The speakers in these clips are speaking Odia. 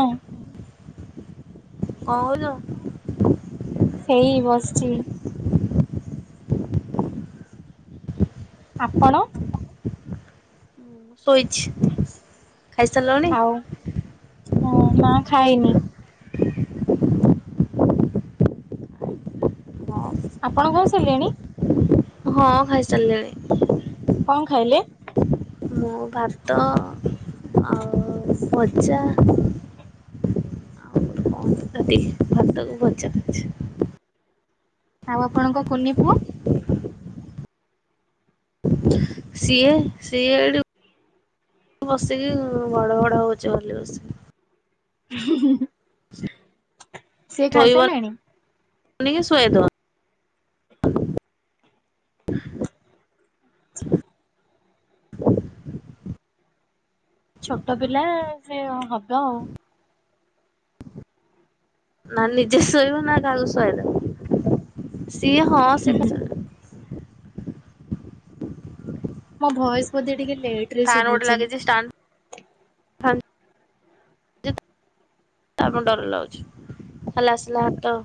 ହଁ। କଣ କହୁଚ। ସେଇ ବସିଚି। ଆପଣ। ମୁଁ ଶୋଇଚି। ଚ୍ଛା ଉ ହଁ ନା ଖାଇନି। ହଁ ଆପଣ ଖାଇ ସାରିଲେଣି। ହଁ ଖାଇସାରିଲିଣି। କଣ ଖାଇଲେ। ମୁଁ ଭାତ ଆଉ ଭଜା [unintelligible] ଆଉ ଆପଣଙ୍କ କୁନି ପୁଅ। ସିଏ ସିଏ ଏଇଠି ବସିକି ଭଡ ଭଡ ହଉଛି ବୋଲି ବସିକି ସିଏ ଖାଇ ସାଇଲାଣି। ଉନି କି ଶୁଆଇଦେଉ ଆଛା। [inaudible] ଛୋଟ ପିଲା ସେ ହବ ଆଉ। ନା ନିଜେ ଶୋଇବ ନା କାହାକୁ ସୁଆଇ ଦବ ସିଏ ହଁ ସେ କଥା ମୋ ଭଏସ ବୋଧେ ଟିକେ ଲେଟ ରେ ଫ୍ୟାନ ଗୋଟେ ଶୁଭୁଛି ଲାଗିଛି ଷ୍ଟାଣ୍ଡ ଫ୍ୟାନ ତା ପାଇଁ ଡର ଲାଗୁଚି କାଳେ ଆସିଲେ ହାତ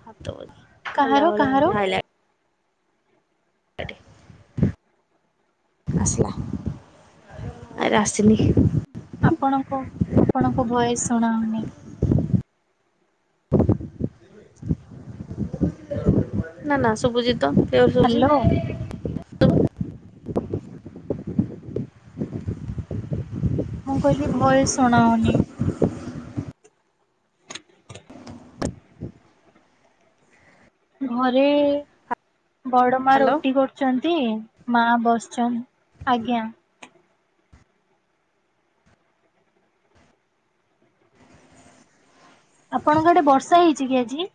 ହାତ [inaudible] କାହାର ହେଲାଭଳି କାହାର ହଉନି [inaudible] ଆସିଲା ଆରେ ଆରେ ଆସିନି। ଆପଣଙ୍କ ଆପଣଙ୍କ ଭଏସ ଶୁଣାଯାଉନି। ନା ନା ଶୁଭୁଛି ତ କ୍ଳିଅର ହ୍ୟାଲୋ ଶୁଭୁଛି। ହ୍ୟାଲୋ ମୁଁ କହିଲି ଭଏସ ଶୁଣାହଉନି। ଘରେ ବଡ଼ ମା ରୋଟି କରି କରିଛନ୍ତି ମା ବସିଛନ୍ତି ଆଜ୍ଞା। ଆପଣଙ୍କ ଆଡ଼େ ବର୍ଷା ହେଇଛି କି ଆଜି।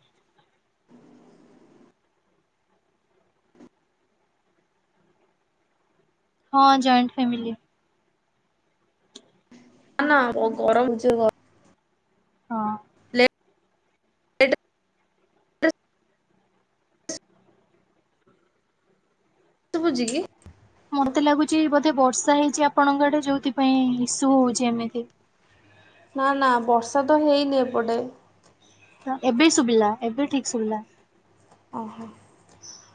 ହଁ ଜଏଣ୍ଟ ଫ୍ୟାମିଲି। ନା ନା ଗରମ ହଉଛି [inaudible] ହଁ। [unintelligible] ଶୁଭୁଚି କି। ମତେ ଲାଗୁଛି ବୋଧେ ବର୍ଷା ହେଇଛି ଆପଣଙ୍କ ଆଡ଼େ ଯୋଉଥିପାଇଁ ଇସୁ ହଉଛି ଏମିତି। ନା ନା ବର୍ଷା ତ ହେଇନି ଏପଟେ। ତ ଏବେ ଶୁଭିଲା ଏବେ ଠିକ ଶୁଭିଲା। ଓହୋ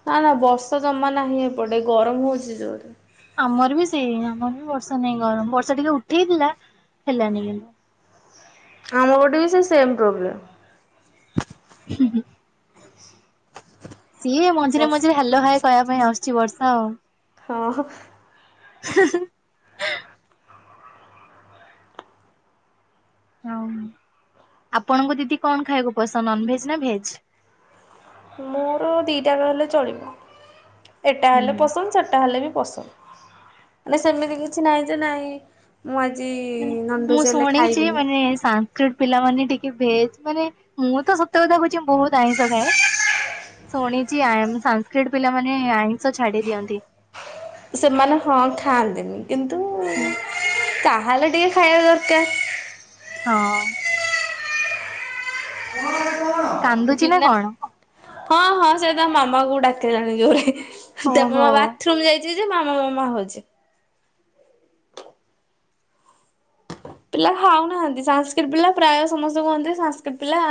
ନା ନା ବର୍ଷା ଜମା ନାହିଁ ଏପଟେ ଗରମ ହଉଛି ଜୋର ରେ। ଆମର ବି ସେଇ ଆମର ବି ବର୍ଷା ନାହିଁ ଗରମ ବର୍ଷା ଟିକେ ଉଠେଇଥିଲା ହେଲାନି କିନ୍ତୁ। ଆମ ପଟେ ବି ସେଇ ସେମ୍ ପ୍ରୋବ୍ଲେମ୍। ହୁଁ-ହୁଁ ସିଏ ମଝିରେ ବର୍ଷ ମଝିରେ। ହ୍ୟାଲୋ ହାଏ କହିବା ପାଇଁ ଆସୁଛି ବର୍ଷା ଆଉ। ହଁ-ହଁ। ହଉ ଆପଣଙ୍କୁ ଦିଦି କଣ ଖାଇବାକୁ ପସନ୍ଦ ନଂଭେଜ ନା ଭେଜ। ମୋର ଦିଟାଜାଙ୍କ ହେଲେ ଚଳିବ ଏଟା ହେଲେ ହୁଁ ପସନ୍ଦ ସେଟା ହେଲେ ବି ପସନ୍ଦ। ମାନେ ସେମିତି କିଛି ନାହିଁ ଯେ ନାହିଁ। ମୁଁ ଆଜି ମାନେ ମୁଁ ନଂଭେଜ୍ ହେଲେ ଶୁଣିଛି ଖାଇବିନି। [unintelligible] ପିଲାମାନେ ଟିକେ ଭେଜ ମାନେ ମୁଁ ତ ସତ କଥା କହୁଛି ବହୁତ ଆଇଁଷ ଖାଏ। ଶୁଣିଛି ଆ ସାଂସ୍କ୍ରିଟି ପିଲାମାନେ ଆଇସ ଛାଡ଼ି ଦିଅନ୍ତି। ସେମାନେ ହଁ ଖାଆନ୍ତିନି କିନ୍ତୁ ଯାହାହେଲେ ହେଲେ ଟିକେ ଖାଇବା ଦରକାର। ହଁ। [unintelligible] କାନ୍ଦୁଚି ନା କଣ? ହଁ ହଁ ସେ ତା ମାମାକୁ ଡାକିଲାଣି ଜୋରେ। ଓହୋ [inaudible] ବାଥରୁମ୍ ଯାଇଛି ଯେ ମାମା ମାମା ହଉଛି। ପିଲା ଖାଉନାହାନ୍ତି ସାଂସ୍କ୍ରିଟ ପିଲା ପ୍ରାୟ ସମସ୍ତେ କୁହନ୍ତି ସାଂସ୍କ୍ରିଟ ପିଲା।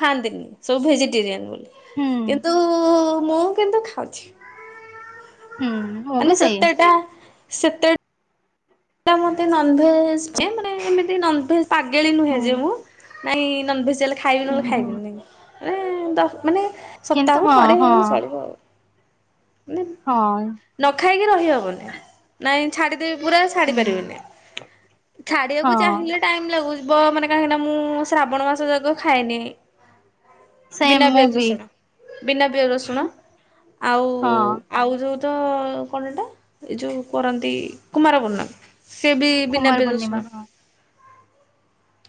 ଖାଆନ୍ତିନି ସବୁ ଭେଜିଟେରିଆନ୍ ବୋଲି ହୁଁ କିନ୍ତୁ ମୁଁ କିନ୍ତୁ ଖାଉଛି। ହୁଁ। ମୁଁ ବି ମାନେ ସେଇ ସେତେଟା ସେତେଟା। ମତେ ନଂଭେଜ ଯେ ମାନେ ଏମିତି ନଂଭେଜ ପାଗେଳି ନୁହେଁ ହୁଁ ଯେ ମୁଁ। ନାଇଁ ନଂଭେଜ ହେଲେ ଖାଇବି ହୁଁ ବୋଲେ ହୁଁ। ଖାଇବିନି ନ ମାନ ମାନେ। କିନ୍ତୁ ସପ୍ତାହକୁ ହଁ ଥରେ ହଁ ହେଇଗଲେ ଚଳିବ ଆଉ। ହଁ। ନ ଖାଇକି ରହିହବନି ନାଇଁ ଛାଡିଦେବି ପୁରା। ଛା ହୁଁ ପାରିବନି ଛାଡକୁ ହଁ। ଚାହିଁଲେ ଟାଇମ ଲାଗୁଯିବ ମାନେ କାହିଁକି ନା ମୁଁ ଶ୍ରାବଣ ମାସ ଯୋଗ ଖାଏନି। ସେମ୍ ବିନା ମୁଁ ପିଆଜ ବି ରସୁଣ ବିନା ପିଆ ରସୁଣ ଆଉ ହଁ ଆଉ ଯେଉଁ ତ କଣ ଏ ଯେଉଁ କରନ୍ତି କୁମାରପୂର୍ଣ୍ଣ। ସେ ବି ବିନା କୁମାର ବି ପୂର୍ଣ୍ଣିମା ରଷୁଣ ହଁ।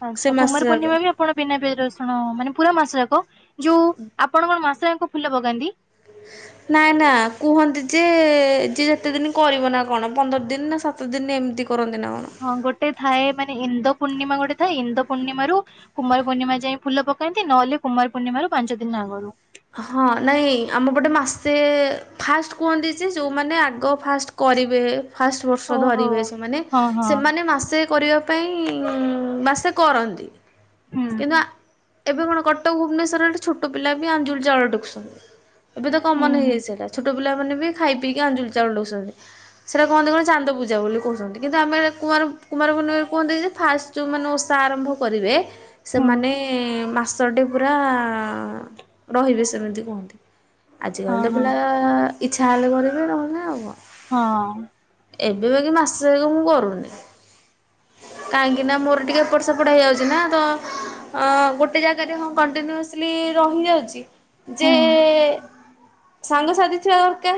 ଆଚ୍ଛା କୁମାର ପୂର୍ଣ୍ଣିମା ବି ଆପଣ ପିନା ରସୁଣ ମାନେ ପୁରା ମାସ ଯାକ ଯୋଉ ଆପଣ କଣ ମାସଙ୍କୁ ଫୁଲ ପଗାନ୍ତି ନାଇଁ ନା କୁହନ୍ତି ଯେ ଯେ ଯେତେ ଦିନ କରିବ ନା କଣ ପନ୍ଦର ଦିନ ନା ସ ତ ଦିନି ଏମିତି କରନ୍ତି ନା କଣ। ହଁ ଗୋଟେ ଥାଏ ମାନେ ଇନ୍ଦ ପୂର୍ଣିମା ଗୋଟେ ଥାଏ। ଇନ୍ଦ ପୂର୍ଣିମା ରୁ କୁମାର ପୂର୍ଣ୍ଣିମା ଯାଇଏ ଫୁଲ ପକାନ୍ତି ନହେଲେ କୁମାର ପୂର୍ଣ୍ଣିମ ରୁ ପାଞ୍ଚ ଦିନ ଆଗରୁ ହଁ ନାଇଁ ଆମ ପଟେ ମାସେ ଫାଷ୍ଟ କୁହନ୍ତିଛି ଯେଉଁମାନେ ଆଗ ଫାଷ୍ଟ କରିବେ ଫାଷ୍ଟ ବର୍ଷ ଓହୋ। ଧରିବେ ସେମାନେ ହଁ ହଁ ସେମାନେ ମାସେ କରିବା ପାଇଁ ବା ସେ କରନ୍ତି ହୁଁ କିନ୍ତୁ ଏବେ କଣ କଟକ ଭୁବନେଶ୍ୱରରେ ଛୋଟ ପିଲା ବି ଆଞ୍ଜୁଳି ଚାଉଳ ଟେକୁଛନ୍ତି। ଏବେ ତ ହୁଁ କମନ ହୁଁ। ହେଇଯାଇ ସାରା ଛୋଟ ପିଲା ମାନେ ବି ଖାଇ ପିଇକି ଆଞ୍ଜୁଳି ଚାଉଳ ଦଉଛନ୍ତି। ସେଇଟା କୁହନ୍ତି କଣ ଚାନ୍ଦ ପୂଜା ବୋଲି କହୁଛନ୍ତି କିନ୍ତୁ ଆମେ କୁମାର କୁମାରକୁର୍ଣୀ କୁହନ୍ତି ଯେ ଫାଷ୍ଟ ଯେଉଁମାନେ ଓଷା ଆରମ୍ଭ କରିବେ ହଁ ସେମାନେ ମାସଟେ ପୁରା ରହିବେ ସେମିତି କୁହନ୍ତି ଆଜିକାଲି ତ ହଁ ପିଲା ଇଚ୍ଛା ହେଲେ କରିବେ ନହଲେ ଆଉ କଣ ହଁ। ଏବେ ବାକି ମାସ ଯାକ ମୁଁ କରୁନି। କାହିଁକି ନା ମୋର ଟିକେ ଏପଟ ସେପଟ ହେଇଯାଉଛି ନା ତ ଅ ଗୋଟେ ଜାଗାରେ ହଁ କଣ୍ଟିନ୍ୟୁସଲି ରହି ଯାଉ ଛି ଯେ ହୁଁ ସାଙ୍ଗସଥି ଥିବା ଦରକାର।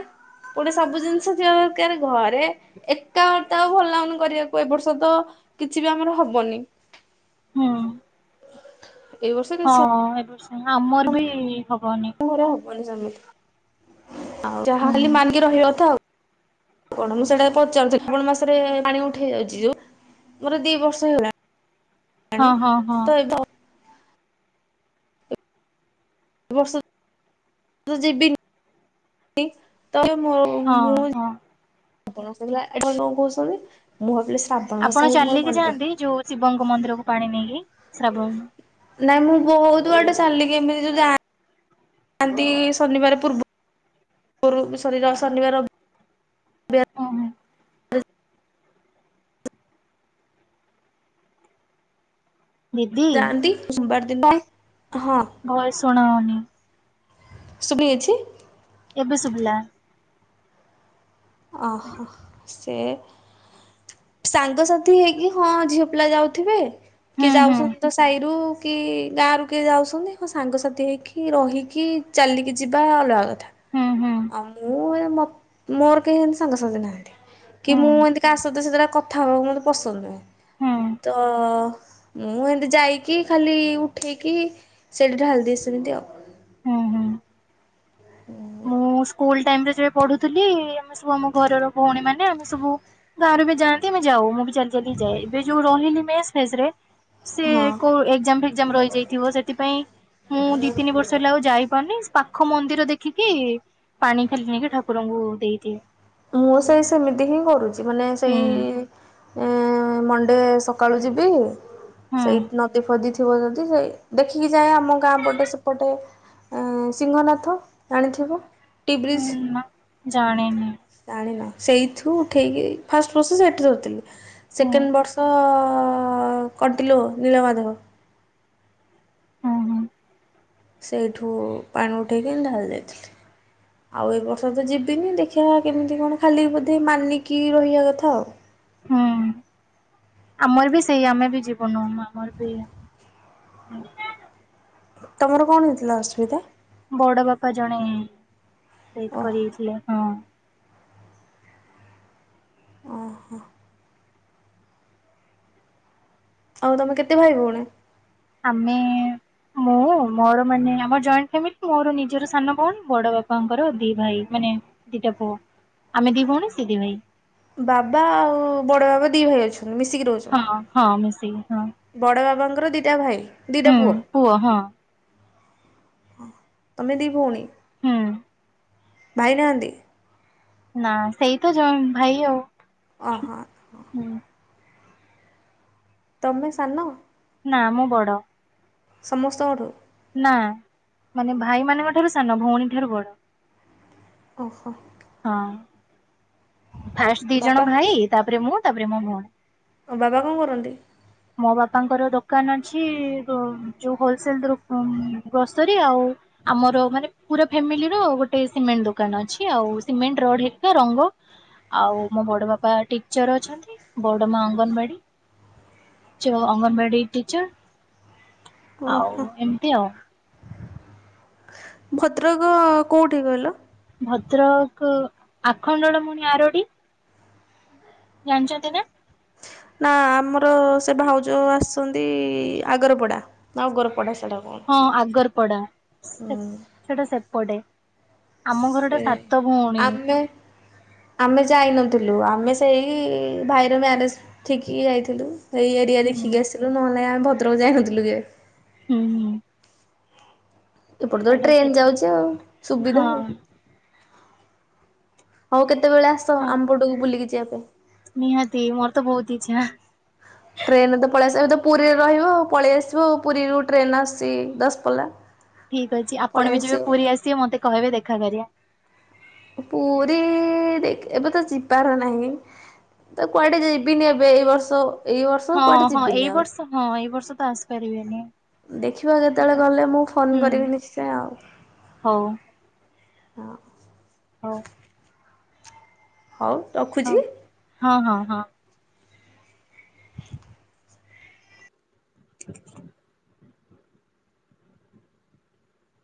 ପୁଣି ସବୁ ଜିନିଷ ଥିବା ଦରକାର ଘରେ ଏକା ବାର୍ତ୍ତା ଆଉ ଭଲ ଲାଗୁନି କରିବାକୁ ଏ ବର୍ଷ ତ କିଛି ବି ଆମର ହବନି ହୁଁ ଏଇ ବର୍ଷ କିଛି ହଁ ଏବର୍ଷ ଆମର ବି ହବନି। ଆମ ହବନି ସେ ଆ ହୁଁ ଯାହା ଖ ମାନିକି ରହିବା କଥା ଆଉ। ଆ କଣ ମୁଁ ସେଟା ପଚାରୁଛି ଆପଣ ମାସ ରେ ପାଣି ଉଠେଇ ଯାଉଛି ଯୋଉ ମୋର ଦି ବର୍ଷ ହେଇଗଲାଣି ହଁ ହେଲାଣି ହଁ ହଁ ତ ଏ ବର୍ଷ ମୁ ତ ଯିବି ତ ମୋ ହଁ ମୁଁ ହଁ ଆପଣ ଆସ ଏ ନ କହୁଛନ୍ତି ମୁଁ ଭାବିଲି ମାସ ଆପଣ ମୋର ଚାଲିକି ମନେ ପଡେ ଯାଆନ୍ତି ଯୋଉ ଶିବଙ୍କ ମନ୍ଦିରକୁୁ ପାଣି ନେଇକି ଶ୍ରାବଣୀ ନାଇଁ ମୁଁ ବହୁତ ବାଟ ସାରିଲିକି ଏମିତି ଯା ନ୍ତି ଶନିବାର ପୂର୍ବ ଗ ଶରୀର ଶନିବାର ରବିବାର ଅ ହଁ। ଦିଦି ଜାଣନ୍ତି ସୋମବାର ଦିନ ହଁ ଘରେ ଶୁଣାଅନି। [unintelligible] ଅଛି ଏବେ ଶୁଭିଲା। ଓହୋ ସେ ସାଙ୍ଗସାଥି ହେଇକି ହଁ ଝିଅ ପିଲା ଯାଉଥିବେ। କିଏ ହୁଁ ହୁଁ ଯାଉଛନ୍ତି ତ ସାହିରୁ କି ଗାଁ ରୁ କିଏ ଯାଉଛନ୍ତି ମୋ ସାଙ୍ଗସାଥି ହେଇକି କି ରହିକି ଚାଲିକି ଯିବା ଅଲଗା କଥା। ହୁଁ ହୁଁ। ଆଉ ମୁଁ ଏ ମୋ ମୋର କେହି ହେମିତି ସାଙ୍ଗ ସାଥୀ ନାହାନ୍ତି। କି ହୁଁ ମୁଁ ଏନ୍ତୀ କା ସହିତ ସତରେ ସେତେବେଳେ କଥା ହବାକୁ ମତେ ପସନ୍ଦ ନୁହେଁ। ହୁଁ ତ ମୁଁ ଏମିତି ଯାଇକି ଖାଲି ଉଠେଇକି ସେଇଠୀ ଢାଳିଦିଏ ସେମିତି ଆଉ। ହୁଁ ହୁଁ। ମୁଁ ସ୍କୁଲ ଟାଇମ୍ ରେ ଯେବେ ପଢୁଥିଲି, ଆମେ ସବୁ ଆମ ଘରର ଭଉଣୀ ମାନେ, ଆମେ ସବୁ ଗାଁରୁ ବି ଯାଆନ୍ତି, ଆମେ ଯାଉ ମୁଁ ବି ଚାଲି ଚାଲି ଯାଏ, ଏବେ ଯୋଉ ରହିଲି ମେସ୍ ଫେସ୍ ରେ ସେ ହଁ। କୋଉ ଏକ୍ଜାମ ଫେଗେଜାମ୍ ରହିଯାଇଥିବ ସେଥିପାଇଁ ମୁଁ ଦି ତିନି ବର୍ଷ ହେଲା ଆଉଯାଇ ନି ସେ ପାଖ ମନ୍ଦିର ଦେଖିକି ପାଣି ଖାଲି ନେଇକି ଠାକୁରଙ୍କୁ ଦେଇଦିଏ। ମୁଁ ସେଇ ସେମିତି ହିଁ କରୁଛି ମାନେ ସେଇ ହୁଁ ଏ ମଣ୍ଡେ ସକାଳୁ ଯିବି ହୁଁ ସେଇ ନଦିଫଦି ଥି ଥିବ ଯଦି ସେଇ ଦେଖିକି ଯାଏ ଆମ ଗାଁ ପଟେ ସେପଟେ। ଆଁ ସିଂଙ୍ଗ ନାଥ ଜାଣିଥିବ ହୁଁ ଟିିବ୍ରିଜ୍। ନା ଜାଣିନି। ଜାଣିନ ସେଇଥିୁ ଉଠେଇକି ଫାଷ୍ଟ ବର୍ଷ ସେଠି ରୋହୁଥିଲି। ହୁଁ ସେକେଣ୍ଡ ବର୍ଷ କଣ୍ଟିଲୋ ନୀଳମାଧବ। ହୁଁ ହୁଁ ସେଇଠୁ ପାଣି ଉଠେଇକି ଢାଳି ଦେଇଥିଲି। ଆଉ ଏ ବର୍ଷ ତ୍ ଯିବିନି ଦେଖିବା କେମିତି କଣ ଖାଲି ବୋଧେ ମାନିକି ରହିବା କଥା ଆଉ ହୁଁ ଆମର ବି ସେଇ ଆମେ ବି ଯିବୁନୁ ଆମର ବି ତମର କଣ ହେଇଥିଲା ଅସୁବିଧା? ବଡ ବାପା ଜଣେ ଡେଥ ଓହୋ କରିଜାଇ ଥିଲେ ହଁ। ଓ ହୋ। ଆଉ ତମେ କେତେ ଭାଇ ଭଉଣୀ? ଆମେ ମୁଁ ମୋର ମାନେ ଆମ ଜଏଣ୍ଟ ଫାମିଲି ମୋର ନିଜର ସାନ ଭଉଣୀ ବଡ ବାପାଙ୍କର ଦି ଭାଇ ମାନେ ଦିଟା ପୁଅ, ଆମେ ଦି ଭଉଣୀ ସିଏ ଦି ଭାଇ। ବାବା ଆଉ ବଡ ବାବା ଦି ଭାଇ ଅଛନ୍ତି, ମିଶିକି ରହୁଛନ୍ତି। ଅ ହଁ ମିଶିକି ହଁ। ବଡ ବାବାଙ୍କର ଦିଟା ଭାଇ ଦିଟା ହୁଁ ପୁଅ। ହଁ ତମେ ଦି ଭଉଣୀ। ହୁଁ। ଭାଇ ନାହାନ୍ତି? ନା ସେଇ ତ ଯ ନ୍ ଭାଇ ଆଉ। ଅ ହଁ। ହୁଁ। ତମେ ସାନ। ନା ମୁଁ ବଡ। ସମସ୍ତଙ୍କଠୁ। ନା ମାନେ ଭାଇ ମାନଙ୍କ ଠାରୁ ସାନ ଭଉଣୀ ଠାରୁ ବଡ। ଓହୋ। ହଁ ଫାଷ୍ଟ ଦି ଜଣ ବାବା ଭାଇ ତାପରେ ମୁଁ ତାପରେ ମୋ ଭଉଣୀ। ତମ ବାବା କଣ କରନ୍ତି? ମୋ ବାପାଙ୍କର ଦୋକାନ ଅଛି, ଜୋ ଯୋଉ ହୋଲସେଲ ଦୋ ଗ୍ରୋସରୀ ଆଉ ଆମର ମାନେ ପୁରା ଫ୍ୟାମିଲିର ଗୋଟେ ସିମେଣ୍ଟ ଦୋକାନ ଅଛି, ଆଉ ସିମେଣ୍ଟ ରଡ ହେରିକା ରଙ୍ଗ। ଆଉ ମୋ ବଡ଼ ବାପା ଟିଚର ଅଛନ୍ତି, ବଡ ମା ଅଙ୍ଗନବାଡି। ଚ ଅଙ୍ଗନବାଡି ଟିଚର ଆଉ ଓହୋ ଏମିତି ଆଉ। ଭଦ୍ରକ କୋଉଠି କହିଲ? ଭଦ୍ରକ ଆଖଣ୍ଡଳମଣି ଆରଡି। ଜାଣିଚନ୍ତି ନା? ନା ଆମର ସେ ଭାଉଜ ଆସଚନ୍ତି ଆଗରପଡ଼ା। ନାଁ ଅଗର ପଡା ସେଟା କଁ। ହଁ ଆଗରପଡା ସେଟା ସେପଟେ। ଆମ ଘର ଟା ସେ ସାତ ଭଉଣୀ। ଆମେ ଆମେ ଯାଇନଥିଲୁ, ଆମେ ସେଇ ଭାଇର ମ୍ୟାରେଜ ଠିକି ଯାଇଥିଲୁ ସେଇ ଏରିଆ ହୁଁ ଦେଖିକି ଆସିଲୁ ନହେଲେ ଆମେ ଭଦ୍ରକ ଯାଇନଥିଲୁ କେବେ। ହୁଁଁ। ଏପଟ ତ ସେଟା ସେ ଟ୍ରେନ ଯାଉଛି ଆଉ ସୁବିଧା ଆଉ ହଁ ହଉ କେତେବେଳେ ଆସ ହଁ ଆମ ପଟକୁ ବୁଲିକି ଯିବା ପାଇଁ ନିହାତି ମୋର ତ ବହୁତ ଇଚ୍ଛା। ଟ୍ରେନ୍ ରେ ତ ପଳେଇ ଆସିବା ଏବେ ତ ପୁରୀରେ ରହିବ ପଳେଇ ଆସିବ ପୁରୀରୁ ଟ୍ରେନ୍ ଆସିଛି ଦଶ ପଲ୍ଲା। ଠିକ୍ ଅଛି ଆପଣ ବି ଯେବେ ପୁରୀ ଆସିବେ ମତେ କହିବେ ଦେଖା କରିବା। ପୁରୀ ଦେ ଏବେ ତ ଯିବାର ନାହିଁ। ତ କୁଆଡ଼େ ଯିବିନି ଏବେ ଏଇ ବର୍ଷ ଏଇ ବର୍ଷ କୁଆଡ଼େ ହଁ ହଁ ଏଇ ଯିବିନି ଆଉ। ବର୍ଷ ହଁ ଏଇ ବର୍ଷ ତ ଆସିପାରିବେନି। ଦେଖିବା କେତେବେଳେ ଗଲେ ମୁଁ ଫୋନ ହୁଁ କରିବି ନିଶ୍ଚୟ ଆଉ। ହଁ। ହ। ହଉ ରଖୁଛି। ହଁ, ହଁ, ହଁ। [inaudible] [inaudible]